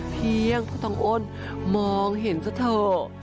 เพียงผู้ต้องอ้นมองเห็นซะเถอะ